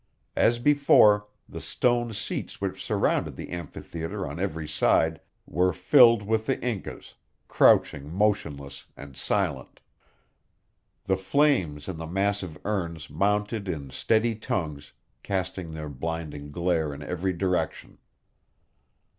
As before, the stone seats which surrounded the amphitheater on every side were filled with the Incas, crouching motionless and silent. The flames in the massive urns mounted in steady tongues, casting their blinding glare in every direction.